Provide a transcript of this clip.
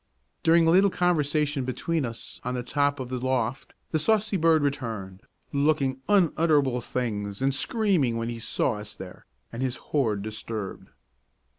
During a little conversation between us on the top of the loft the saucy bird returned, looking unutterable things and screaming when he saw us there and his hoard disturbed.